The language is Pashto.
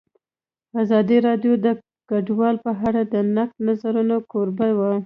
ازادي راډیو د کډوال په اړه د نقدي نظرونو کوربه وه.